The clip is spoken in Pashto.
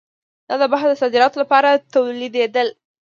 دا د بهر ته صادراتو لپاره تولیدېدل.